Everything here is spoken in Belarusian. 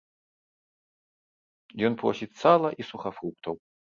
Ён просіць сала і сухафруктаў.